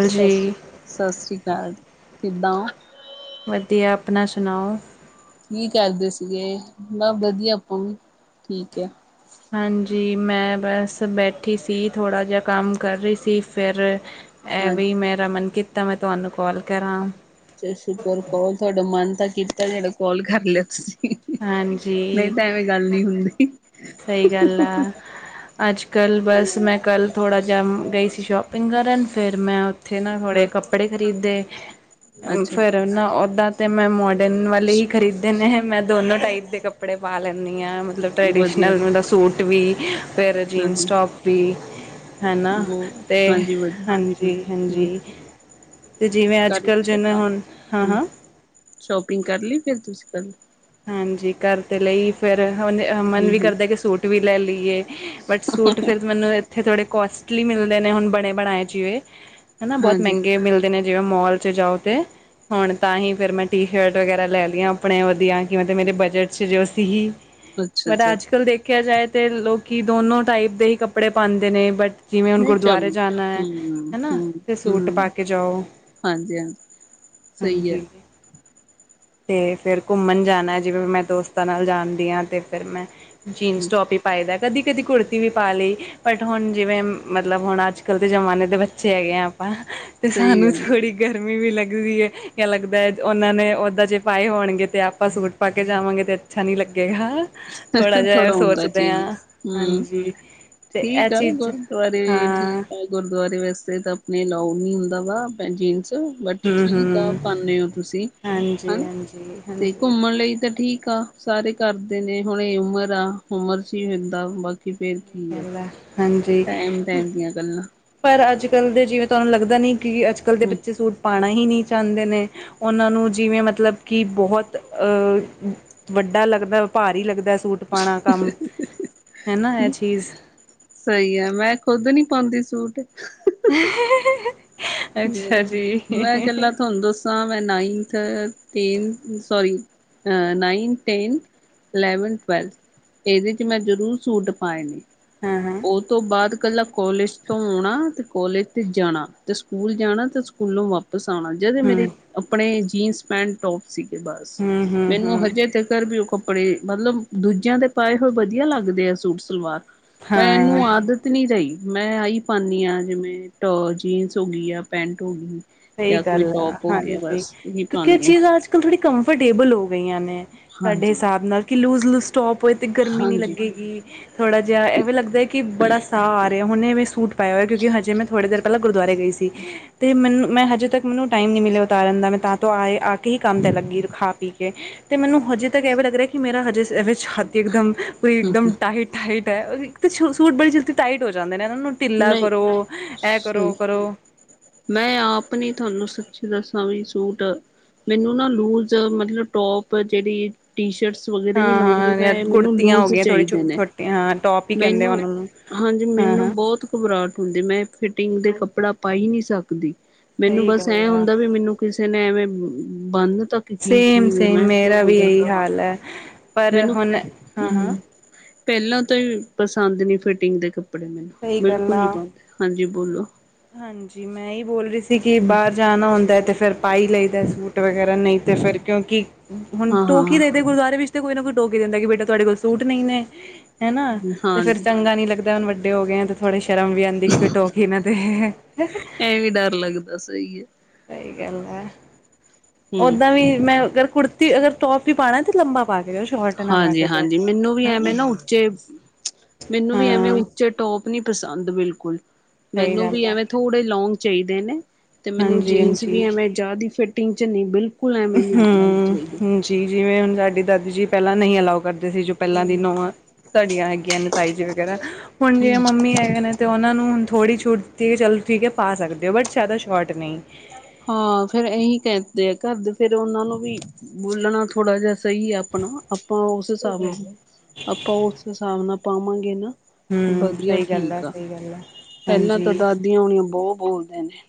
ਸਤਿ ਸ੍ਰੀ, ਸਤਿ ਸ਼੍ਰੀ ਅਕਾਲ ਕਿੱਦਾਂ ਹੋ? ਵਧੀਆ ਆਪਣਾ ਸੁਣਾਓ। ਕਿ ਕਰਦੇ ਸੀਗੇ ਨਾ ਵਧੀਆ ਪੁ ਠੀਕ ਹੈ। ਹਾਂਜੀ, ਮੈਂ ਬਸ ਬੈਠੀ ਸੀ ਥੋੜਾ ਜਿਹਾ ਕੰਮ ਕਰ ਰਹੀ ਸੀ ਫਿਰ ਏ ਵੀ ਹਾਂਜੀ ਮੇਰਾ ਮਨ ਕੀਤਾ ਮੈਂ ਤੁਹਾਨੂੰ ਕੋਲ ਕਰਾਂ। ਚਲੋ ਸ਼ੁਕਰ ਕਓ, ਤੁਹਾਡਾ ਮਨ ਤਾਂ ਕੀਤਾ ਜੇੜਾ ਕੋਲ ਕਰ ਲਿਆ ਤੁਸੀਂ। ਨਹੀਂ ਹਾਂਜੀ, ਤਾਂ ਐਵੇਂ ਗੱਲ ਨਹੀਂ ਹੁੰਦੀ ਸਹੀ ਗੱਲ ਆ। ਅੱਜ-ਕੱਲ੍ਹ ਬਸ ਮੈਂ ਕੱਲ ਥੋੜ੍ਹਾ ਜਿਹਾ ਗਈ ਸੀ ਸ਼ੋਪਿੰਗ ਕਰਨ ਫਿਰ ਮੈਂ ਉੱਥੇ ਨਾ ਥੋੜ੍ਹੇ ਹਾਂ ਕੱਪੜੇ ਖਰੀਦੇ ਅੱਛਾ ਫਿਰ ਨਾ ੳਦਾਂ ਤੇ ਮੈਂ ਮੋਡਰਨ ਵਾਲੇ ਹੀ ਖਰੀਦੇ ਨੇ ਮੈਂ ਦੋਨੋ ਟਾਈਪ ਦੇ ਕੱਪੜੇ ਪਾ ਲੈਂਨੀ ਹਾਂ ਮਤਲਬ ਵਧੀਆ ਟਰੈਡੀਸ਼ਨਲ ਮਤਲਬ ਸੂਟ ਵੀ ਫਿਰ ਹਾਂ ਜੀਨਸ ਹਾਂ ਟੋਪ ਵੀ। ਹੈਨਾ ਬਹੁ ਤੇ ਹਾਂਜੀ ਵਧੀਆ ਹਮ ਹਾਂਜੀ-ਹਾਂਜੀ। ਤੇ ਜਿਵੇਂ ਕਰ ਅੱਜ-ਕਲ ਜਿਨੇ ਹੁਣ ਹਮ ਹਾਂ-ਹਾਂ। ਸ਼ੋਪਿੰਗ ਕਰ ਲਈ ਫਿਰ ਤੁਸੀਂ ਕੱਲ। ਹਾਂਜੀ, ਕਰ ਤੇ ਲਈ, ਫਿਰ ਹੁਣ ਮਨ ਹਮ ਵੀ ਹਮ ਕਰਦਾ ਕਿ ਸੂਟ ਵੀ ਲੈ ਲਈਏ। ਬਟ ਸੂਟ ਫਿਰ ਮੈਨੂੰ ਇੱਥੇ ਥੋੜੇ ਕੋਸਟਲੀ ਮਿਲਦੇ ਨੇ ਹੁਣ ਬਣੇ-ਬਣਾਏ ਜਿਵੇਂ ਹਨਾ ਬਹੁਤ ਹਾਂਜੀ ਮਹਿੰਗੇ ਮਿਲਦੇ ਨੇ ਜਿਵੇਂ ਮੋਲ ਚ ਜਾਓ ਤੇ, ਹੁਣ ਤਾਂ ਹੀ ਫਿਰ ਮੈਂ ਟੀ ਸ਼ਰਟ ਵਗੈਰਾ ਲੈ ਲਈਆਂ ਆਪਣੇ ਵਧੀਆ। ਜਿਵੇਂ ਤੇ ਮੇਰੇ ਬਜਟ ਚ ਜੋ ਸੀ ਅੱਛਾ ਬਟ ਅੱਛਾ ਅੱਜ-ਕੱਲ ਦੇਖ ਦੇਖਿਆ ਜਾਏ ਤਾਂ ਲੋਕੀ ਦੋਨੋਂ ਟਾਈਪ ਦੇ ਹੀ ਕੱਪੜੇ ਪਾਉਂਦੇ ਨੇ ਬਟ ਜਿਵੇਂ ਹੁਣ ਨਹੀਂ ਚੱਲ ਗੁਰਦੁਆਰੇ ਜਾਣਾ ਏ ਹਮ ਹਨਾ ਹਮ ਤੇ ਸੂਟ ਹਮ ਪਾ ਕੇ ਜਾਓ। ਹਾਂਜੀ ਹਾਂਜੀ ਸਹੀ ਹੈ ਹਾਂਜੀ। ਤੇ ਫਿਰ ਘੁੰਮਣ ਜਾਣਾ ਜਿਵੇਂ ਮੈਂ ਦੋਸਤਾਂ ਨਾਲ ਜਾਣਦੀ ਹਾਂ ਤੇ ਫਿਰ ਮੈਂ ਹਮ ਜੀਨਸ ਟੋਪ ਹੀ ਪਾਏ ਦਾ ਕਦੀ-ਕਦੀ ਕੁੜਤੀ ਵੀ ਪਾ ਲਈ ਬਟ ਹੁਣ ਜਿਵੇਂ ਮਤਲਬ ਹੁਣ ਅੱਜ-ਕੱਲ੍ਹ ਦੇ ਜ਼ਮਾਨੇ ਦੇ ਬੱਚੇ ਹੈਗੇ ਆ। ਤੇ ਸਹੀ ਸਾਨੂੰ ਗੱਲ ਥੋੜੀ ਗਰਮੀ ਵੀ ਲੱਗਦੀ ਏ ਯਾ ਲੱਗਦਾ ਹੈ, ਉਹਨਾਂ ਨੇ ਓਦਾਂ ਜੇ ਪਾਏ ਹੋਣਗੇ ਤੇ ਆਪਾਂ ਸੂਟ ਪਾਕੇ ਜਾਵਾਂਗੇ ਤੇ ਅੱਛਾ ਨੀ ਲੱਗੇਗਾ। ਥੋੜਾ ਹੈ ਜਿਹਾ ਏ ਹੁੰਦਾ ਸੋਚਦੇ ਹਾਂ। ਚੇਂਜਸ ਹਮ ਹਾਂਜੀ ਤੇ ਏ ਠੀਕ ਆ ਚੀਜ਼ ਗੁਰਦੁਆਰੇ ਹਾਂ। ਠੀਕ ਆ ਗੁਰਦੁਆਰੇ ਵਾਸਤੇ ਤਾਂ ਅਪਨੇ ਅਲਾਊ ਨੀ ਹੁੰਦਾ ਵਾ ਜੀਨਸ ਬਟ ਹਮ ਠੀਕ ਆ ਹਮ ਪਾਨੇ ੳ ਤੁਸੀਂ ਹਾਂਜੀ ਹਨਾ ਹਾਂਜੀ ਹਾਂਜੀ ਤੇ ਸਹੀ ਘੁੰਮਣ ਲਈ ਤਾਂ ਠੀਕ ਆ। ਸਾਰੇ ਕਰਦੇ ਨੇ ਹੁਣ ਇਹ ਉਮਰ ਆ, ਉਮਰ ਸੀ ਹੁੰਦਾ ਬਾਕੀ ਫੇਰ ਕੀ ਆ ਗੱਲ ਏ। ਟਾਈਮ ਟਾਈਮ ਦੀਆਂ ਗੱਲਾਂ। ਪਰ ਅੱਜ-ਕੱਲ ਦੇ ਜਿਵੇਂ ਤੁਹਾਨੂੰ ਲੱਗਦਾ ਨੀ ਕਿ ਅੱਜ ਕੱਲ੍ਹ ਦੇ ਬੱਚੇ ਸੂਟ ਪਾਣਾ ਹੀ ਨਹੀਂ ਚਾਹੁੰਦੇ ਨੇ। ਉਹਨਾਂ ਨੂੰ ਜਿਵੇਂ ਮਤਲਬ ਕਿ ਬੋਹਤ ਅ ਵੱਡਾ ਲੱਗਦਾ ਭਾਰੀ ਲੱਗਦਾ ਸੂਟ ਪਾਣਾ ਕੰਮ ਹੈਨਾ ਇਹ ਚੀਜ਼ ਸਹੀ ਹੈ ਮੈਂ ਖੁੱਦ ਨੀ ਪਾਂਦੀ ਸੂਟ ਅੱਛਾ ਜੀ ਮੈਂ ਇਕਲਾ ਤੁਹਾਨੂੰ ਦੱਸ [unintelligible] [unintelligible] ਇਲੈਂਵਥ, ਟਵੈਲਥ ਇਹਦੇ ਚ ਮੈਂ ਜ਼ਰੂਰ ਸੂਟ ਪਾਏ ਨੇ। ਹਾਂ-ਹਾਂ। ਉਹ ਤੋਂ ਬਾਅਦ ਕੱਲਾ ਕੋਲਿਜ ਤੋਂ ਆਉਣਾ ਤੇ ਕੋਲਿਜ ਤੇ ਜਾਣਾ ਤੇ ਸ ਸਕੂਲ ਜਾਣਾ ਤੇ ਸਕੂਲੋਂ ਵਾਪਿਸ ਆਣਾ। ਜਦੇ ਹਮ ਮੇਰੇ ਅਪਣੇ ਜੀਨਸ ਪੈਂਟ ਟੋਪ ਸੀਗੇ ਬੱਸ ਹਮ ਹਮ ਮੈਨੂੰ ਹਮ ਹਜੇ ਤੱਕਰ ਵੀ ਉਹ ਕੱਪ ਕੱਪੜੇ ਮਤਲਬ ਦੂਜਿਆਂ ਦੇ ਪਾਏ ਹੋਏ ਵਧੀਆ ਲੱਗਦੇ ਆ ਸੂਟ ਸਲਵਾਰ ਹਾਂ ਮੈਂਨੂੰ ਆਦ ਤ ਨਹੀਂ ਰਹੀ ਮੈਂ ਆਹੀ ਪਾਨੀ ਆ ਜਿਵੇਂ ਟੋ ਜੀਨਸ ਹੋ ਗਈ ਆ ਪੈਂਟ ਹੋ ਗਈ। ਸਹੀ ਜਾਂ ਕੋਈ ਗੱਲ ਆ। ਟੋਪ ਹੋ ਹਾਂਜੀ ਗਿਆ ਬਸ ਇਹੀ ਕਿਉਂਕਿ ਇਹ ਪਾਉਂਦੀ ਹਾਂ ਚੀਜ਼ ਅੱਜ ਥੋੜੀ ਕੰਫਰਟੇਬਲ ਹੋ ਗਈਆਂ ਨੇ ਸਾਡੇ ਹਾਂਜੀ ਹਿਸਾਬ ਨਾਲ ਕਿ ਲੂਜ਼ ਲੂਜ਼ ਟੋਪ ਹੋਏ ਤੇ ਗਰਮੀ ਨੀ ਹਾਂਜੀ ਲੱਗੇਗੀ ਥੋੜ੍ਹਾ ਜਿਹਾ ਏਵੇ ਲੱਗਦਾ ਕਿ ਬੜਾ ਸਾਹ ਆ ਰਿਹਾ ਹੁਨੇ ਵੀ ਸੂਟ ਪਾਇਆ ਹੋਇਆ ਕਿਉਂਕਿ ਹਜੇ ਮੈਂ ਥੜ੍ਹੀ ਦੇਰ ਪਹਿਲਾਂ ਗੁਰਦੁਆਰੇ ਗਈ ਸੀ। ਤੇ ਮੈਨੂੰ ਮੈਂ ਹਜੇ ਤੱਕ ਮੈਨੂੰ ਟਾਈਮ ਨੀ ਮਿਲਿਆ ਉਤਾਰਨ ਦਾ ਮੈਂ ਤਾਂ ਤੋਂ ਆਏ ਆ ਹੀ ਕੰਮ ਤਾਂ ਲੱਗੀ ਖਾ ਪੀ ਕੇ ਤੇ ਮੈਨੂੰ ਹਜੇ ਤੱਕ ਐਵੇਂ ਲੱਗ ਰਿਹਾ ਕਿ ਮੇਰਾ ਹਜੇ ਐਵੇ ਛਾਤੀ ਇੱਕਦਮ ਪੂਰੀ ਹਮ ਇੱਕਦਮ ਟਾਈਟ-ਟਾਈਟ ਇੱਕ ਤੇ ਸੁ ਸੂਟ ਬੜੀ ਜਲਦੀ ਟਾਈਟ ਹੋ ਜਾਂਦੇ ਨੇ ਇਹਨਾਂ ਨੂੰ ਢਿੱਲਾ ਨਹੀਂ ਕਰੋ ਇਹ ਕਰੋ- ਸਹੀ ੳਹ ਕਰੋ ਮੈਂ ਆਪ ਨੀ ਤੁਹਾਨੂੰ ਸੱਚੀ ਦੱਸਾਂ ਵੀ ਸੂਟ ਮੈਨੂੰ ਨਾ ਲੂਜ਼ ਮਤਲਬ ਟੋਪ ਜਿਹੜੀ ਟੀ ਸ਼ਰਟਸ ਵਗੈਰਾ ਵੀ ਹਾਂ ਲਉਂਗੀ ਹਾਂ ਜਾਂ ਮੈਂ ਮੈਨੂੰ ਕੁੜਤੀਆਂ ਹੋ ਲੂਜ਼ ਗਈਆਂ ਥੋੜੀ ਚਾਹੀਦੇ ਨੇ ਛੋਟੀਆਂ ਹਾਂ ਟੋਪ ਹੀ ਕਹਿੰਦੇ ਮੈਨੂੰ ਉਹਨਾਂ ਨੂੰ ਹਾਂਜੀ ਹਾਂ ਮੈਨੂੰ ਹਾਂ ਬੋਤ ਘਬਰਾਹਟ ਹੁੰਦੀ ਮੈਂ ਫਿਟਿੰਗ ਦੇ ਕੱਪੜਾ ਪਾ ਹੀ ਨੀ ਸਕਦੀ। ਮੈਨੂੰ ਸਹੀ ਬਸ ਗੱਲ ਐ ਆ ਹੁੰਦਾ ਵੀ ਮਿਨੂੰ ਕਿਸੇ ਨੇ ਐਵੇਂ ਬੰਨ ਤਾ ਕੀ-ਕੀ ਕਿੳ ਸੇਮ ਹੋਏ ਸੇਮ ਮੈਂ ਕਿਉਂ ਮੇਰਾ ਬੋਲ ਵੀ ਇਹੀ ਜਾਂਦਾ ਵਾ ਹਾਲ ਹੈ ਪਰ ਮੈਨੂੰ ਹੁਣ ਹੁ ਹਾਂ ਹਾਂ ਹੁ ਪਹਿਲਾਂ ਤੋਂ ਹੀ ਪਸੰਦ ਨੀ ਫਿਟਿੰਗ ਦੇ ਕੱਪੜੇ ਮੈਨੂੰ ਸਹੀ ਗੱਲ ਬਿਲਕੁਲ ਨੀ ਆ ਪਾਂਦੀ ਹਾਂਜੀ ਬੋਲੋ। ਹਾਂਜੀ ਮੈਂ ਹੀ ਬੋਲ ਰਹੀ ਸੀ ਕਿ ਬਾਹਰ ਜਾਣਾ ਹੁੰਦਾ ਤੇ ਫੇਰ ਪਾਈ ਲਈਦ ਸੂਟ ਵਗੈਰਾ ਨਹੀਂ ਤੇ ਫਿਰ ਕਿਉਂਕਿ ਹੁਣ ਹਾਂ ਟੋਕ ਹੀ ਹਾਂ [unintelligible] ਗੁਰਦੁਆਰੇ ਵਿੱਚ [unintelligible] ਤੇ ਕੋਈ ਨਾ ਕੋਈ ਟੋਕ ਹੀ ਦੇਂਦਾ ਕਿ ਬੇਟਾ ਤੁਹਾਡੇ ਕੋਲ ਸੂਟ ਨਹੀਂ ਨੇ ਹੈਨਾ ਤੇ ਫੇਰ ਹਾਂਜੀ ਚੰਗਾ ਨੀ ਲੱਗਦਾ ਹੁਣ ਵੱਡ ਵੱਡੇ ਹੋ ਗਏ ਆ ਤੇ ਥੋੜੇ ਸ਼ਰਮ ਵੀ ਆਂਦੀ ਕਿ ਕੋਈ ਟੋਕ ਈ ਨਾ ਦੇ ਵੀ ਡਰ ਲੱਗਦਾ ਸਹੀ ਹੈ। ਸਹੀ ਗੱਲ ਹੈ। ਹਮ ਓਦਾਂ ਵੀ ਮੈਂ ਅਗਰ ਕੁੜ ਤੇ ਅਗਰ ਟੋਪ ਵੀ ਪਾਣਾ ਤੇ ਲੰਬਾ ਪਾ ਕੇ ਜਾ ਹਾਂਜੀ ਹਾਂਜੀ ਮੈਨੂੰ ਵੀ ਐਵੇਂ ਨਾ ਉੱਚੇ ਮੈਨੂੰ ਵੀ ਐਵੇਂ ਹਾਂ ਉੱਚੇ ਟੋਪ ਨੀ ਪਸੰਦ ਬਿਲਕੁਲ ਸਹੀ ਮੈਨੂੰ ਗੱਲ ਵੀ ਹੈ ਐਵੇਂ ਥੋੜੇ ਲੋਂਗ ਚਾਹੀਦੇ ਨੇ। ਤੇ ਮੈਨੂੰ ਜੀਨਸ ਵੀ ਹਾਂਜੀ-ਹਾਂਜੀ। ਐਵੇਂ ਜੇਦੀ ਫਿਟਿੰਗ ਚ ਨਹੀਂ ਬਿਲਕੁਲ ਐਵੇਂ ਨਹੀ ਚਾਹੀਦੀ। ਹੂੰ ਜੀ ਜਿਵੇਂ ਹੁਣ ਸਾਡੀ ਦਾਦੀ ਜੀ ਪੈਲਾਂ ਨਈਂ ਅਲਾਓ ਕਰਦੇ ਸੀ ਜੋ ਪੈਲਾਂ ਦੀ ਨੋਵਾਂ ਧੜੀਆਂ ਹੈਗੀਆਂ ਨੇ ਤਾਈ ਜੀ ਵਗੈਰਾ, ਹੁਣ ਜਿਂ ਮੰਮੀ ਹੈਗੇ ਨੇ ਤੇ ਓਨਾਂ ਨੂੰ ਹੁਣ ਥੋੜ੍ਹੀ ਛੂਟ ਦੇਤੀ ਕਿ ਠੀਕਐ ਪਾ ਸਕਦੇ ਓ ਬਟ, ਜਾਦਾ ਸ਼ੋਰਟ ਨਈਂ। ਹਾਂ, ਫੇਰ ਏਹੀ ਕੈਂਦੇ ਆ ਘਰ ਦੇ ਫੇਰ ਓਨਾਂ ਨੂੰ ਵੀ ਬੋਲਣਾ ਥੋੜਾ ਜੇਆ ਸਈ ਐ, ਆਪਣਾ ਆਪਾਂ ਓਸ ਹਿਸਾਬ ਨਾਲ ਆਪਾਂ ਓਸ ਹਿਸਾਬ ਨਾਲ ਪਾਵਾਂਗੇ ਨਾ। ਹੂੰ ਵਧੀਆ ਸਹੀ ਗੱਲ ਠੀਕ ਆ, ਸਹੀ ਗੱਲ ਆ ਪਪੈਲਾਂ ਤਾਂ ਹਾਂਜੀ ਦਾਦੀਆਂ ਹੋਣੀਆਂ ਬਹੁਤ ਬੋਲਦੇ ਨੇ।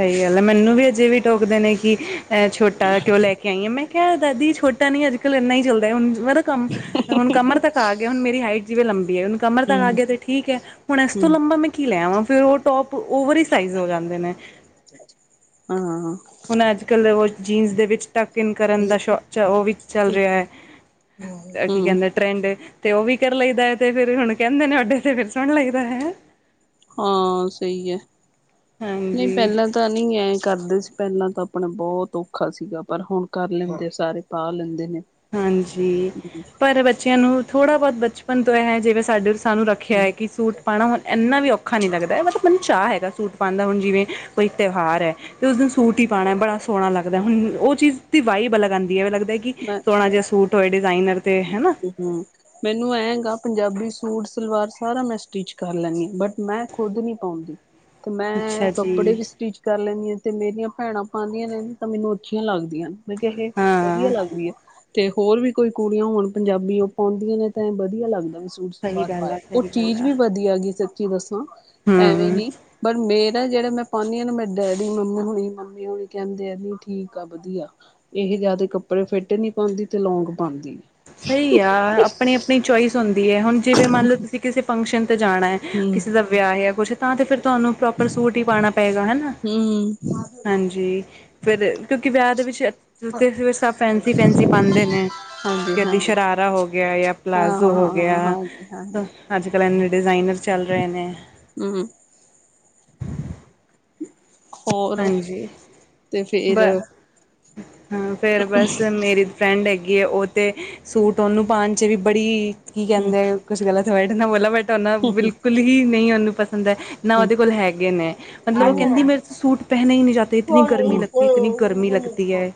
ਸਈਂ ਗੱਲ ਐ, ਮੈਨੂੰ ਵੀ ਅਜੇ ਵੀ ਟੋਕਦੇ ਨੇ ਕਿ ਅ ਛੋਟਾ ਕਯੋ ਲੈ ਕੇ ਲੈ ਕੇ ਆਈ ਏ, ਮੈਂ ਕੇਆ ਦਾਦੀ ਛੋਟਾ ਨੀ ਅੱਜ-ਕੱਲ ਇੰਨਾ ਹੀ ਚਲਦਾ ਹੁਣ। ਮਰ ਕਮ ਹੁਣ ਕਮਰ ਤੱਕ ਆ ਗਯਾ ਹੁਣ, ਮੇਰੀ ਹਾਈਟ ਜਿਵੇਂ ਲੰਬੀ ਐ - ਕਮਰ ਤੱਕ ਆ ਹਮ ਗਿਆ ਤੇ ਠੀਕੈ ਹੁਣ, ਇਸ ਤੋਂ ਹਮ ਲੰਬਾ ਮੈਂ ਕੀ ਲੈ ਵਾਂ ਫੇਰ ਓ ਟੋਪ ਓਵਰ ਈਂ ਸਾਈਜ ਹੋ ਜਾਂਦੇ ਨੇ। ਹਾਂ। ਹੁਣ ਅੱਜ-ਕੱਲ ਓ ਜੀਨਸ ਦੇ ਵਿੱਚ ਟੱਕ-ਇਨ ਕਰਨ ਦਾ ਸ਼ੋ ਓ ਵੀ ਚੱਲ ਰਰੇਯਾ। ਹੂੰ। ਟਰੈਂਡ ਐ ਤੇ ਓ ਵੀ ਕਰ ਲਈ ਦੈ ਤੇ ਫੇਰ ਹੁਣ ਕੈਂਦੇ ਨੇ ਡੇ ਤੇ ਫੇਰ ਸੁਣ ਲੈਂਦੈ। ਹਾਂ ਸਈ ਐ ਨਈਂ ਹਾਂਜੀ ਪੈਲਾਂ ਤਾਂ ਨਈਂ ਐ ਕਰਦੇ ਸੀ ਪੈਲਾਂ ਤਾਂ ਆਪਣਾ ਬੋਤ ਔਖਾ ਸੀਗਾ ਪਰ ਹੁਣ, ਕਰ ਲੈਂਦੇ ਸਾਰੇ ਪਾ ਲੈਂਦੇ ਨੇ। ਹਾਂਜੀ, ਪਰ ਬੱਚੇਆਂ ਨੂੰ ਥੋੜਾ ਬੋਤ ਬਚਪਨ ਤੋਂ ਐ ਜਿਵੇਂ ਸਾਡੇ ਸਾਨੂੰ ਰੱਖਿਆ ਐ ਕਿ ਸੂਟ ਪਾਉਣਾ ਹੁਣ ਏਨਾ ਵੀ ਔਖਾ ਨਈਂ ਲੱਗਦਾ ਮਤਲਬ ਮੈਨੂੰ ਚਾਹਅ ਹੈਗਾ ਸੂਟ ਪਾਣ ਦਾ ਹੁਣ ਜਿਵੇਂ ਕੋਈ ਤਿਉਹਾਰ ਐ। ਤੇ ਉਸ ਦਿਨ ਸੂਟ ਹੀ ਪਾਣਾ ਬੜਾ ਸੋਣਾ ਲੱਗਦੈ ਹੁਣ, ਓ ਚੀਜ ਦੀ ਵਾਈਬ ਈਂ ਅਲਗ ਆਂਦੀ ਐ ਲੱਗਦਾ ਕਿ ਕਿ ਮੈਂ ਸੋਣਾ ਜੇਆ ਸੂਟ ਹੋਏ ਡਿਜ਼ਾਇਨਰ ਤੇ, ਹੈਨਾ। ਹੂੰ। ਮੈਨੂੰ ਐਂਗਾ ਪੰਜਾਬੀ ਸੂਟ, ਸਲਵਾਰ ਸਾਰਾ ਮੈਂ ਸਟਿਚ ਕਰ ਲੈਂਨੀ ਆਂ ਬਟ, ਮੈਂ ਖੁੱਦ ਨੀ ਪਾਂਦੀ। ਤੇ ਮੈਂ ਅੱਛਾ ਜੀ ਕੱਪੜੇ ਵੀ ਸਟੀਚ ਕਰ ਲੈਂਦੀਆਂ ਤੇ ਮੇਰੀਆਂ ਭੈਣਾਂ ਪਾਂਦੀਆਂ ਨੇ ਤਾਂ ਮੈਨੂੰ ਅੱਛੀਆਂ ਲੱਗਦੀਆਂ ਨੇ। ਮੈਂ ਕੇਆ ਏਹ ਵਧੀਆ ਹਾਂ ਲੱਗਦੀਆਂ, ਤੇ ਹੋਰ ਵੀ ਕੋਈ ਕੁੜੀਆਂ ਹੁਣ ਪੰਜਾਬੀ ਓ ਪਾਉਂਦੀਆਂ ਨੇ ਤਾਂ ਏ ਵਧੀਆ ਲੱਗਦਾ ਵੀ ਸੂਟ। ਸਹੀ ਵਾਰ ਗੱਲ ਪਾ, ਆ ਓ ਸਹੀ ਗੱਲ ਚੀਜ ਆ ਵੀ ਵਧੀਆ ਗੀ ਸੱਚੀ ਦੱਸਾਂ ਐਵੇਂ ਹਮ ਨੀ ਪਰ ਮੇਰਾ ਜੇੜਾ ਮੈਂ ਪਾਂਦੀ ਆਂ ਮੇ ਡੈਡੀ-ਮੰਮੀ ਹਣੀ ਮੰਮੀ ਹੋਣੀ ਕੈਂਦੇ ਆ ਨੀ ਠੀਕ ਆ ਵਧੀਆ। ਏਹ ਜਾਦਾ ਕੱਪੜੇ ਫਿੱਟ ਨੀ ਪਾਉਂਦੀ ਤੇ ਲੌਂਗ ਪਾਉਂਦੀ। ਸਈ ਆ ਅਪਨੀ-ਅਪਨੀ ਚੋਂਇਸ ਹੁੰਦੀ ਆਂ ਜਿਵੇਂ ਮੰਨ ਲਓ ਤੁਸੀਂ ਕਿਸੇ ਫੰਕਸ਼ਨ ਤੇ ਜਾਣਾਏ। ਹੂੰ ਕਿਸੇ ਦਾ ਵਿਯਾ ਏ ਕੁਛ ਤਾਂ ਤੇ ਫੇਰ ਤੁਆਨੂੰ ਪ੍ਰੋਪਰ ਸੂਟ ਹੀ ਪਾਣਾ ਪਏਗਾ, ਹਨਾ। [unintelligible] ਹਾਂਜੀ। ਫੇਰ ਕਿਉਂਕਿ ਵਿਯਾ ਦੇ ਵਿੱਚ ਸਭ ਫੈਂਸੀ-ਫੈਂਸੀ ਪਾਂਦੇ ਨੇ। ਹਾਂਜੀ ਕਦੀ ਹਾਂਜੀ ਸ਼ਰਾਰਾ ਹੋ ਗਯਾ ਜਾਂ ਹਾਂ ਪਲਾਜ਼ੋ ਹਾਂ ਹੋ ਹਾਂ ਗਯਾ। ਹਾਂਜੀ ਹਾਂਜੀ ਅੱਜ-ਕੱਲ ਏਨੇ ਡਿਜ਼ਾਇਨਰ ਚੱਲ ਰੇਨੇ। ਹੂੰ। ਹੋਰ ਹਾਂਜੀ ਤੇ ਬ ਫੇਰ ਹਮ ਹਾਂ, ਫੇਰ ਬਸ ਮੇਰੀ ਫਰੈਂਡ ਹੈਗੀਏ, ਓ ਤਾਂ ਸੂਟ ਓਨੂੰ ਪਾਉਣ 'ਚ ਵੀ ਬੜੀ ਕੀ ਕੈਂਦੇ ਕੁਛ ਗਲਤ ਹੋਏ ਤੇ ਬੋਲਾਂ ਬਟ ਓਨਾ ਬਿਲਕੁਲ ਹੀ ਨੀ ਓਨੂੰ ਪਸੰਦ ਐ। ਨਾ ਹਮ ਓਦੇ ਕੋਲ ਹੈਗੇ ਨੇ ਮਤਲਬ ਓ ਹਮ ਕੈਂਦੀ ਮੇਰੇ ਸੂਟ ਪੈਹਨੇ ਹੀ ਨਹੀਂ ਜਾਤੇ। ਤੇ ਇਤਨੀ ਗਰਮੀ ਲੱਗਤੀ ਇਤਨੀ ਗਰਮੀ ਲੱਗਤੀ ਐ।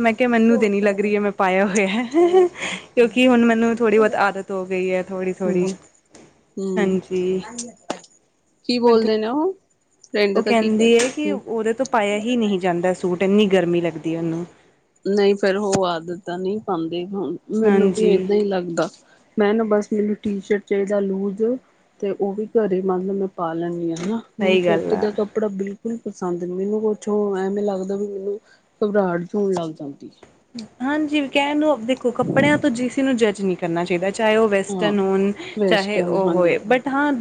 ਮੈਂ ਕੇਆ ਮੈਨੂੰ ਤੇ ਨਈਂ ਲੱਗ ਰੀ, ਮੈਂ ਪਾਯਾ ਹੋਯਾ। [unintelligible] ਕਿਉਂਕਿ ਹੁਣ ਮੈਨੂੰ ਥੋੜੀ ਬੋਤ ਆਦਤ ਹੋ ਗਈ ਐ, ਥੋੜੀ-ਥੋੜ੍ਹੀ। ਹਮ ਹਾਂਜੀ। ਕੀ [unintelligible] ਬੋਲਦੇ ਨੇ ਉਹ ਫਰੈਂਡ ਓ ਦਾ ਕੀ ਕੈਂਹਦੀ ਐ। ਤੇ ਕਰ ਓਦੇ ਤੋਂ ਪਾਇਆ ਹੀ ਨਹੀਂ ਜਾਂਦਾ ਸੂਟ। ਏਨੀਂ ਗਰਮੀ ਲੱਗਦੀ ਓਨੂੰ। ਨਈਂ ਫਿਰ ਹੋ ਆਦਤ ਤਾਂ ਨਈਂ ਪਾਂਦੇ ਹੋਣ ਮੈਨੂੰ ਵੀ ਹਾਂਜੀ ਏਦਾਂ ਈ ਲੱਗਦਾ। ਮੈਂ ਨਾਂ ਬਸ ਮੈਨੂੰ ਟੀ ਸ਼ਰਟ ਚਾਈਦਾ ਲੂਜ਼ ਤੇ ਓ ਵੀ ਘਰੇ ਮੰਨ ਲੋ ਮੈਂ ਪਾ ਲੈਨੀਂ ਆਂ, ਹਣਾਂ। ਮੈਨੂੰ ਸਹੀ ਗੱਲ ਫਿੱਟ ਆ ਦੇਖੋ। ਕੱਪੜਾ ਬਿਲਕੁਲ ਪਸੰਦ ਨੀਂ ਮੈਨੂੰ ਕੁਛ ਓ ਐਵੇਂ ਲੱਗਦਾ ਵੀ ਮੈਨੂੰ ਘਬਰਾਹਟ ਹੋਣ ਲੱਗ ਜਾਂਦੀ। ਹਾਂਜੀ, ਕੈਣ ਨੂੰ ਅ ਦੇਖੋ ਕੱਪੜਿਆਂ ਤੋਂ ਜਿਸੇ ਨੂੰ ਜੱਜ ਨ੍ਹੀਂ ਕਰਨਾ ਚਾਈਦਾ। ਚਾਏ ਓ ਹਾਂ। ਵੈਸਟਨ ਹੁਣ, ਚਾਹੇ ਵੇਸਟਰਨ ਓ ਹੋਏ। ਹਾਂਜੀ ਬਟ ਹਾਂ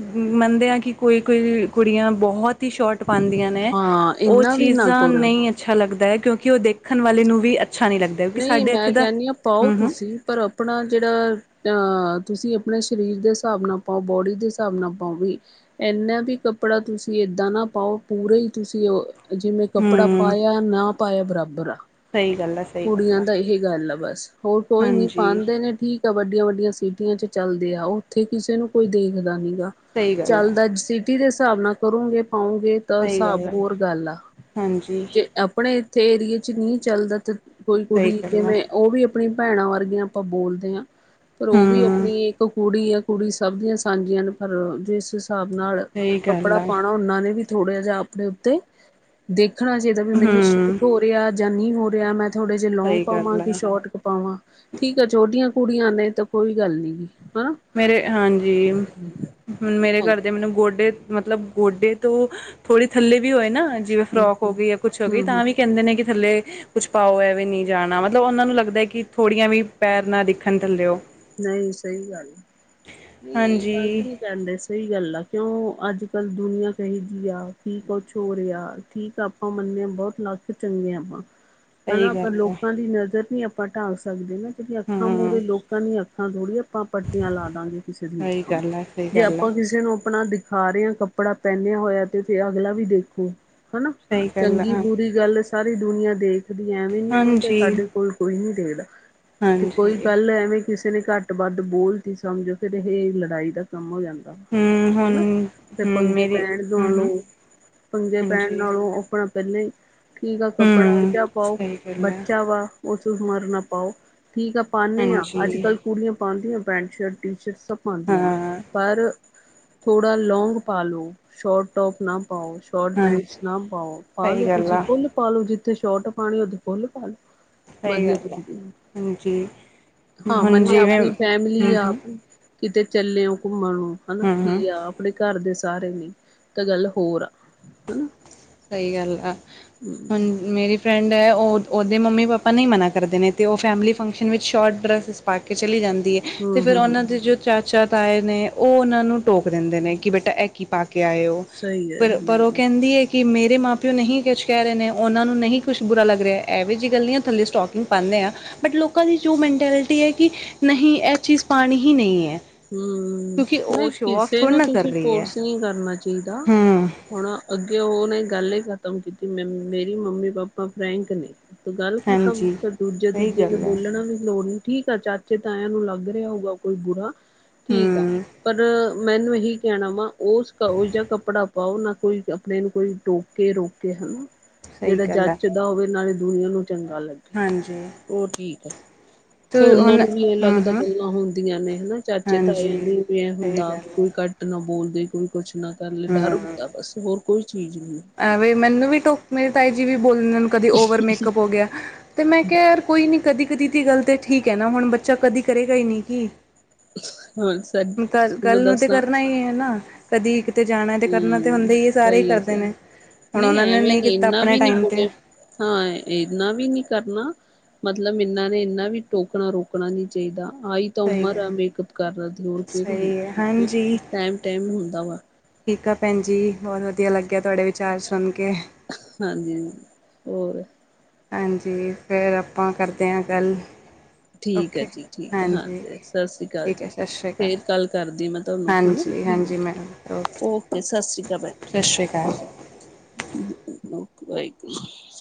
ਮੰਨਦੇ ਆਂ ਕਿ ਕੋਈ-ਕੋਈ ਕੁੜੀਆਂ ਬੋਹਤ ਈ ਸ਼ੋਟ ਪਾਂਦੀਆਂ ਨੇ, ਹਾਂ ਓ ਇੰਨਾ ਵੀ ਨਾ ਚੀਜ਼ਾਂ ਕਰੋ। ਨਈਂ ਏ ਅੱਛਾ ਲੱਗਦਾ ਐ ਕਿਉਂਕਿ ਓ ਦੇਖਣ ਵਾਲੇ ਨੂੰ ਵੀ ਅੱਛਾ ਨ੍ਹੀਂ ਲੱਗਦਾ। ਕਿਉਂਕਿ ਨਈਂ ਸਾਡੇ ਇੱਥੇ ਮੈਂ ਦਾ ਕੈੰਨੀ ਆਂ ਪਾਓ ਹਮ ਹਮ ਤੁਸੀਂ ਪਰ ਆਪਣਾ ਜੇੜਾ ਅਹ ਤੁਸੀਂ ਆਪਣੇ ਸਰੀਰ ਦੇ ਸਾਬ ਨਾਲ ਪਾਓ। ਬੋਡੀ ਦੇ ਸਾਬ ਨਾਲ ਪਾਓ ਵੀ। ਏਨਾਂ ਵੀ ਕੱਪੜਾ ਤੁਸੀਂ ਏਦਾਂ ਨਾ ਪਾਓ, ਪੂਰੇ ਈ ਤੁਸੀਂ ਓ ਜਿਵੇਂ ਕੱਪੜਾ ਪਾਇਆ, ਨਾਂ ਪਾਇਆ। ਬਰਾਬਰ ਆ। ਸਈ ਗੱਲ ਐ। ਕੁੜੀਆਂ ਦਾ ਇਹ ਗੱਲ ਆ ਬਸ। ਹੋਰ ਕੋਈ ਨੀਂ ਹਾਂਜੀ ਪਾਂਦੇ ਨੇ ਠੀਕ। ਵੱਡੀਆਂ-ਵੱਡੀਆਂ ਸਿਟੀਆਂ ਚ ਚੱਲਦੇ ਆ, ਓਥੇ ਕਿਸੇ ਨੂੰ ਕੋਈ ਦੇਖਦਾ ਨੀਂ ਗਾ। ਸਹੀ ਗੱਲ ਆ ਚੱਲਦਾ। ਸਿਟੀ ਦੇ ਸਾਬ ਨਾਲ ਕਰੋਂਗੇ, ਪਾਓਂਗੇ। ਤਾਂ ਸਹੀ ਸਾਬ ਗੱਲ ਆ ਹੋਰ ਗੱਲ ਆ। ਹਾਂਜੀ ਜੇ ਅਪ ਆਪਣੇ ਇੱਥੇ ਏਰੀਏ ਚ ਨਈਂ ਚੱਲਦਾ ਤੇ ਕੋਈ ਸਹੀ ਕੁੜੀ ਗੱਲ ਆ ਜਿਵੇਂ ਓ ਵੀ ਅਪਣੇ ਆਪਣੀ ਭੈਣਾਂ ਵਰਗੀਆਂ ਆਪਾਂ ਬੋਲਦੇ ਆ, ਪਰ ਓ ਵੀ ਹਮ ਆਪਣੀ ਇੱਕ ਕੁੜੀ ਆ। ਕੁੜੀ ਸਭ ਦੀਆਂ ਸਾਂਝੀਆਂ ਨੇ ਪਰ ਜਿਸ ਸਾਬ ਨਾਲ ਸਹੀ ਗੱਲ ਕੱਪੜਾ ਆ ਪਾਨਾਂ ਓਨਾਂ ਨੇ ਵੀ। ਥੋੜ੍ਹਾ ਜਿਆ ਆਪਣੇ ਉੱਤੇ। ਦੇਖਣਾ ਚਾਈਦਾ ਵੀ ਮੈਨੂੰ ਹਮ ਸੂਟ ਹੋ ਰਿਆ ਜਾਂ ਨਹੀਂ ਹੋ ਰਿਆ। ਮੈਂ ਥੋੜ੍ਹੇ ਜੇ ਲੋਂਗ ਸਹੀ ਪਾਵਾਂ ਗੱਲ ਕਿ ਆ ਸ਼ੋਰਟ ਕ ਪਾਵਾਂ। ਠੀਕ ਆ, ਛੋਟੀਆਂ ਕੁੜੀਆਂ ਨੇ ਤਾਂ ਕੋਈ ਗੱਲ ਨਈਂ। ਹਨਾਂ! ਮੇਰੇ ਹਾਂਜੀ, ਹੁਣ ਮੇਰੇ ਘਰ ਹਾਂਜੀ ਦੇ ਮੈਨੂੰ ਗੋਡੇ ਮਤਲਬ ਗੋਡੇ ਤੋਂ ਥੋੜੀ ਥੱਲੇ ਵੀ ਹੋਏ ਨਾਂ, ਜਿਵੇਂ ਹਮ ਫਰੋਕ ਹੋ ਗਈ ਜਾਂ ਕੁੱਛ ਹੋ ਹਮ ਗਈ ਹਮ ਹਮ ਤਾਂ ਵੀ ਕੈਂਦੇ ਨੇ ਕਿ ਥੱਲੇ ਕੁਛ ਪਾਓ ਐਵੇਂ ਨੀ ਜਾਣਾ। ਮਤਲਬ ਓਨਾਂ ਨੂੰ ਲੱਗਦਾ ਕੀ ਥੋੜੀਆਂ ਵੀ ਪੈਰ ਨਾਂ ਦਿਖਣ, ਥੱਲਿਓ। ਨਈਂ ਸਈ ਗੱਲ ਐ, ਨਈਂ ਗਲਤ ਹਾਂਜੀ ਨੀਂ ਕੈਂਦੇ ਸੀ। ਸਈ ਗੱਲ ਆ ਕਿਉਂ ਅੱਜ-ਕਲ ਦੁਨੀਆਂ ਕਿਹੋ ਜੀ ਆ, ਠੀਕ ਕੁਛ ਹੋ ਰਿਆ। ਠੀਕ ਅਪ ਅਮੰਨੇ ਬੋਤ ਲੱਖ ਚੰਗੇ ਆਂ ਆਪਾਂ। [inaudible] ਹਨਾਂ ਆਪਾਂ ਹੈ ਲੋਕਾਂ ਦੀ ਨਜ਼ਰ ਨੀਂ ਆਪਾਂ ਢਾਲ ਸਕਦੇ ਨਾਂ, ਜੇੜੀਆਂ ਅੱਖਾਂ ਹਾਂ ਮੂਹਰੇ ਲੋਕ ਆਪਣੀਆਂ ਅੱਖਾਂ ਥੋੜ੍ਹੀ ਆ ਆਪਾਂ ਪੱਟੀਆਂ ਲਾ ਦਾਂਗੇ ਕਿਸੇ ਦੀਆਂ ਸਹੀ ਅੱਖਾਂ ਨੂੰ। ਗੱਲ ਹੈ ਸਹੀ ਜੇ ਗੱਲ ਹੈ ਆਪਾਂ ਕਿਸੇ ਨੂੰ ਆਪਣਾ ਦ ਸਾਰਿਆਂ ਕੱਪੜਾ ਪਹਿਨਿਆਂ ਹੋਇਆ ਤੇ ਫਿਰ ਅਗਲਾ ਵੀ ਦੇਖੂ। ਹਨਾਂ, ਸਹੀ ਗੱਲ ਹੈ ਚੰਗੀ-ਬੁਰੀ ਹਾਂਜੀ ਗੱਲ ਸਾਰੀ ਦੁਨੀਆਂ ਦੇਖਦੀ ਐਵੇਂ ਨੀਂ ਆ ਕਿ ਹਾਂਜੀ ਸਾਡੇ ਕੋਲ ਕੋਈ ਨ੍ਹੀਂ ਦੇਖਦਾ ਤੇ ਕੋਈ ਹਾਂਜੀ ਪੈਲੇ ਐਵੇਂ ਕਿਸੇ ਨੇ ਘੱਟ-ਵੱਧ ਬੋਲਤੀ ਸਮਝੋ ਫਿਰ ਏਹ ਏ ਲੜਾਈ ਦਾ ਕੰਮ ਹੋ ਜਾਂਦਾ ਹਮ [unintelligible] ਹਨਾਂ! ਹੁਣ ਫਿਰ ਹਮ ਪੰਗੇ ਮੇਰੀ ਪੈਣ ਹਮ ਹਮ ਤੁਆਨੂੰ ਪੰਗੇੇ ਪੈਣ ਹਾਂਜੀ ਨਾਲੋਂ ਆਪਣਾ ਪੈਲਾਂ ਈ, ਠੀਕ ਆ ਕੱਪੜਾ ਆ ਹਮ ਜਿਆ ਪਾਓ। ਸਹੀ ਗੱਲ ਹੈ ਬੱਚਾ ਵਾ ਓਸ ਹੁਮਰ ਨਾਂ ਪਾਓ। ਠੀਕ ਆ ਪਾਨੇ ਆਂ, ਹਾਂਜੀ ਅੱਜ-ਕਲ ਕੁੜੀਆਂ ਪਾਂਦੀਆਂ ਪੈਂਟ ਸ਼ਰਟ, ਟੀ ਸ਼ਰਟਸ। [unintelligible] ਪਾਂਦੀਆਂ ਨੇ ਹਾਂ ਪਰ ਥੋੜਾ ਲੌਗ ਪਾ ਲਓ, ਸ਼ੋਰਟ ਟੋਪ ਨਾ ਪਾਓ। ਸ਼ੋਰਟ ਪੈਂਟਸ ਹਾਂਜੀ ਨਾ ਪਾਓ, ਪਾ ਲੋ ਸਹੀ ਗੱਲ ਤੁਸੀਂ ਆ ਫੁੱਲ ਪਾਲ ਲੋ ਜਿੱਥੇ ਸੋਰਟ ਪਾਨੀ ਉਥੇ ਫੁੱਲ ਪਾਲੋ। ਸਹੀ ਗੱਲ ਐ, ਹਾਂਜੀ। ਹਾਂ ਹੁਣ ਮੰਨਿਆਂ ਜਿਵੇਂ ਆਪਣੀ ਫੈਮਿਲੀ ਹੂੰ ਆ, ਹੂੰ ਕਿਤੇ ਚੱਲੇ ਓ ਘੁੰਮਣ ਹਨਾ ਹੂੰ ਹੂੰ ਯਾ। ਆਪਣੇ ਘਰ ਦੇ ਸਾਰੇ ਨੇ ਤਾਂ ਗੱਲ ਹੋਰ ਆ, ਹਨਾ। ਸਹੀ ਗੱਲ ਆ, ਹੁਣ ਮੇਰੀ ਫਰੈਡ ਏ, ਉਹ ਉਹਦੇ ਮੰਮੀ ਪਾਪਾ ਨਈ ਮਨਾ ਕਰਦੇ ਨੇ, ਤੇ ਉਹ ਫੈਮਿਲੀ ਫੰਕਸ਼ਨ ਵਿੱਚ ਸ਼ੋਰਟ ਡਰੈਸਿਸ ਪਾ ਕੇ ਚਲੀ ਜਾਂਦੀ ਐ। ਤੇ ਹੂੰ ਫਿਰ ਹੂੰ ਹੂੰ ਉਹਨਾਂ ਦੇ ਜੋ ਚਾਚਾ, ਤਾਏ ਨੇ ਉਹ ਉਹਨਾਂ ਨੂੰ ਟੋਕ ਦਿੰਦੇ ਨੇ ਕਿ ਬੇਟਾ ਐਹ ਕੀ ਪਾ ਕੇ ਆਏ ਓ। ਸਹੀ ਹੈ ਪਰ- ਪਰ ਉਹ ਹਾਂ ਕਹਿੰਦੀ ਏ ਕਿ ਮੇਰੇ ਮਾਂ ਪਿਓ ਨਹੀਂ ਕੁੱਛ ਕਹਿ ਰਹੇ ਨੇ, ਉਹਨਾਂ ਨੂੰ ਨਹੀਂ ਕੁੱਛ ਬੁਰਾ ਲੱਗ ਰਿਆ, ਐਹੋ ਜਿਹੀ ਗੱਲ ਨੀ ਆ ਥੱਲੇ ਸਟੋਕਿੰਗ ਪਾਦੇ ਆ। ਬਟ ਲੋਕਾਂ ਦੀ ਜੋ ਮੈਂਟੈਲਿਟੀ ਐ, ਕਿ ਨਹੀਂ ਐ ਚੀਜ਼ ਪਾਨੀ ਹੀ ਨਹੀਂ ਐ। ਹੂੰ, ਨਈ ਕਿਸੇ ਨੂੰ ਨਾ ਕਰ ਤੁਸੀਂ ਰਹੀ ਹੈ ਫੋਰਸ ਨੀਂ ਕਰਨਾ ਚਾਹ ਚਾਹੀਦਾ, ਹੂੰ ਹੁਣ ਅੱਗੇ ਉਹ ਨੇ ਗੱਲ ਇਹ ਖ਼ਤਮ ਕੀਤੀ, ਮ ਮੇਰੀ-ਮੰਮੀ ਪਾਪਾ ਫਰੈਂਕ ਨੇ। ਤੇ ਗੱਲ ਖ਼ਤਮ, ਹਾਂਜੀ ਫਿਰ ਦੂਜੇ ਸਹੀ ਤੀਜੇ ਨੇ ਗੱਲ ਹੈ ਬੋਲਣਾ ਵੀ ਲੋੜ ਨੀਂ ਠੀਕ ਆ ਚਾਚ ਚੇ-ਤਾਇਆ ਨੂੰ ਲੱਗ ਰਿਹਾ ਹੋਊਗਾ ਕੋਈ ਬੁਰਾ ਠੀਕ ਆ, ਹੂੰ ਪਰ ਮੈਨੂੰ ਇਹੀ ਕੈਣਾ ਵਾ ਓਸ‌ ਓਹੋ ਜਾ ਕੱਪੜਾ ਪਾਓ ਨਾ ਕੋਈ, ਆਪਣੇ ਨੂੰ ਕੋਈ ਟੋਕੇ ਰੋਕੇ ਹਨਾ। ਸਹੀ ਜਿਹੜਾ ਗੱਲ ਹੈ ਜੱਚਦਾ ਹੋਵੇ ਨਾਲੇ ਦੁਨੀਆਂ ਨੂੰ ਚੰਗਾ ਲੱਗੇ, ਹਾਂਜੀ ਉਹ ਠੀਕ ਐ। ਫਿਰ ਤੇ ਉਹਨਾਂ ਹੁਣ ਨੂੰ ਵੀ ਇਹ ਹੂੰ ਲੱਗਦਾ ਹੂੰ ਗੱਲਾਂ ਹੁੰਦੀਆਂ ਨੇ ਹਨਾ, ਚਾਚੇ ਚਾਚੇ ਤਾਇਆ ਨੂੰ ਹਾਂਜੀ ਵੀ ਐਹ ਸਹੀ ਹੁੰਦਾ ਗੱਲ ਵੀ ਕੋਈ ਹੈ ਘੱਟ ਨਾ ਬੋਲਦੇ, ਕੋਈ ਕੁਛ ਨਾ ਕਰ ਲੇ ਡਰ ਹੁੰਦਾ ਬਸ ਹੋਰ ਕੋਈ ਚੀਜ਼ ਨੀ। ਐਵੇ ਮੈਨੂੰ ਵੀ ਟੋਕ ਮੇਰੇ ਤਾਏ ਜੀ ਵੀ ਬੋਲਦੇ, ਕਦੇ ਓਵਰ ਮੇਕਅਪ ਹੋ ਗਿਆ ਤੇ ਮੈਂ ਕਿਹਾ ਯਾਰ ਕੋਈ ਨਹੀਂ ਕਦੀ -ਕਦੀ ਦੀ ਗੱਲ ਤੇ ਠੀਕ ਐ ਨਾ, ਹੁਣ ਬੱਚਾ ਕਦੀ ਕਰੇਗਾ ਹੀ ਨਹੀਂ ਕੀ। ਹੋਰ ਸ ਹੁਣ ਤਾਂ ਕੱਲ- ਕੱਲ ਤੁਹਾਨੂੰ ਨੂੰ ਤੇ ਦੱਸਾਂ ਕਰਨਾ ਈ ਐ ਨਾ। ਕਦੀ ਕਿਤੇ ਜਾਣਾ ਤੇ ਕਰਨਾ ਤਾਂ ਹਮ ਹੁੰਦਾ ਏ, ਸਾਰੇ ਈ ਸਹੀ ਹੈ ਕਰਦੇ ਸਹੀ ਨੇ। ਹੁਣ ਨਹੀਂ ਉਹਨਾਂ ਨੇ ਐਵੇਂ ਨੀ ਕੀਤਾ ਇਨਾਂ ਆਪਣੇ ਵੀ ਨੀ ਟਾਈਮ ਬੁੜ, ਤੇ ਹਾਂ ਇਨਾਂ ਵੀ ਨੀ ਕਰਨਾ। ਮਤਲਬ ਇਹਨਾਂ ਨੇ ਇੰਨਾ ਵੀ ਟੋਕਣਾ-ਰੋਕਣਾ ਨੀ ਚਾਹੀਦਾ, ਆਹੀ ਤਾਂ ਸਹੀ ਉਮਰ ਆ ਗੱਲ ਮੇਕਅਪ ਕਰਨ ਦੀ ਹੋਰ ਕਿਹੜੀ ਏਂ, ਸਹੀ ਹੈ ਹੂੰ ਹਾਂਜੀ ਟੈਮ- ਟੈਮ ਹੁੰਦਾ ਵਾ। ਠੀਕ ਆ ਭੈਣਜੀ, ਬਹੁਤ ਵਧੀਆ ਲੱਗਿਆ ਤੁਹਾਡੇ ਵਿਚਾਰ ਸੁਣ ਕੇ। ਹਾਂਜੀ- ਹਾਂਜੀ ਹੋਰ। ਹਾਂਜੀ, ਫੇਰ ਆਪਾਂ ਕਰਦੇ ਆ ਗੱਲ। ਠੀਕ ਆ ਓਕੇ ਜੀ ਠੀਕ ਆ ਹਾਂ, ਹਾਂਜੀ ਸ਼ਾਸ਼ਰੀ ਕਾਲ ਠੀਕ ਜੀ ਹੈ ਸਤਿ ਸ਼੍ਰੀ ਅਕਾਲ ਫੇਰ ਗੱਲ ਕਰਦੀ ਮੈਂ ਤੁਹਾਨੂੰ, ਹਾਂਜੀ ਹਨਾ ਹਾਂਜੀ ਮੈਡਮ ਓਕੇ ਸ਼ਾਸ਼ਰੀ ਕਾਲ ਸਤਿ ਭੈਣਜੀ ਸ਼੍ਰੀ ਅਕਾਲ [unintelligible]